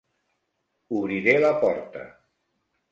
Obriré la porta.